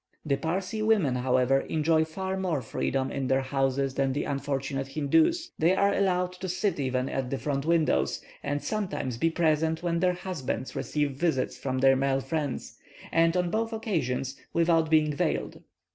The Parsee women, however, enjoy far more freedom in their houses than the unfortunate Hindoos: they are allowed to sit even at the front windows, and sometimes be present when their husbands receive visits from their male friends, and on both occasions without being veiled.